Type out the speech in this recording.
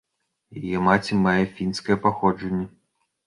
Яе маці мае фінскае паходжанне.